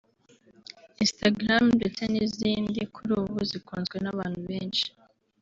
Instagram ndetse nizindi kuri ubu zikunzwe n’ abantu benshi